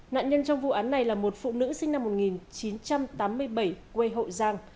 nạn nhân trong vụ án này là một phụ nữ sinh năm một nghìn chín trăm tám mươi bảy quê hậu giang